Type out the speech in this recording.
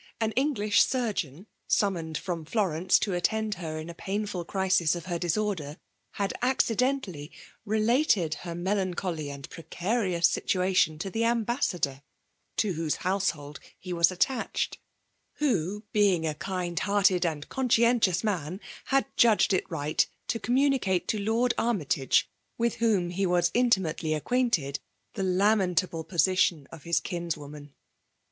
An English surgeon, summoned from Florence to attend her in a painflil crisis of her disorder, had accidentally related her melancholy and precarious situation to the Ambassador, to whose household he was at tached; who, being a kind hearted and con 9M4: F8IIAUB sohihatiom; arkntioas uisii* Imd judged it ri^t ia moaie to Lord Army tage, with whom he vat iatimAtely acquaintedy the lamentable pofttioil of his kinswoman.